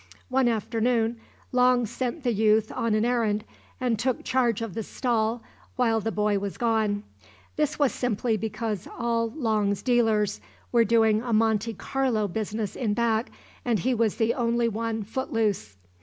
One afternoon Long sent the youth on an errand and took charge of the stall while the boy was gone. This was simply because all Long's dealers were doing a Monte Carlo business in back and he was the only one footloose.